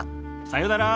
さよなら。